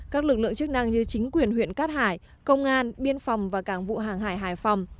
các lực lượng chức năng như chính quyền huyện cát hải công an biên phòng và cảng vụ hàng hải hải phòng